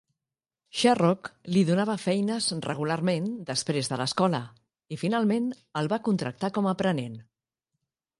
Sharrock li donava feines regularment després de l'escola i, finalment, el va contractar com a aprenent.